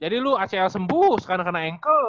jadi lu acl sembuh karena kena engkel